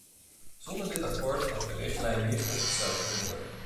Zonder dit akkoord had de richtlijn niet opgesteld kunnen worden.